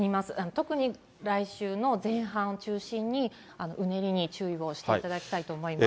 特に来週の前半を中心に、うねりに注意をしていただきたいと思います。